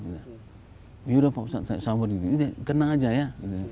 yaudah pak ustadz sabar kenang aja ya